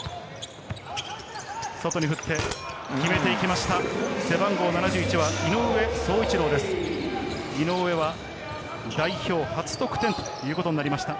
外に振って、決めていきました。